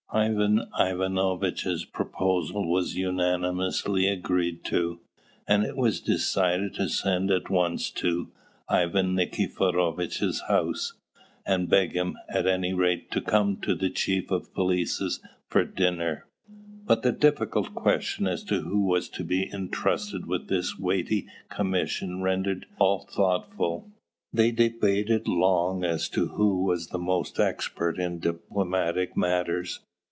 Ivan Ivanovitch's proposal was unanimously agreed to; and it was decided to send at once to Ivan Nikiforovitch's house, and beg him, at any rate, to come to the chief of police's for dinner. But the difficult question as to who was to be intrusted with this weighty commission rendered all thoughtful. They debated long as to who was the most expert in diplomatic matters.